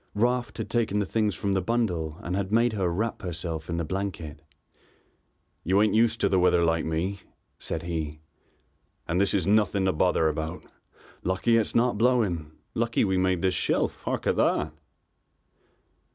Raft had taken the things from the bundle and had made her wrap herself in the blanket. "You ain't used to the weather like me," said he, "and this is nothing to bother about. Lucky it's not blowing. Lucky we made this shelf. Hark at that!"